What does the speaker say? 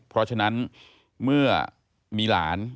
เพราะฉะนั้นเมื่อมีหลาน